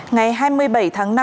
ngày hai mươi bảy tháng năm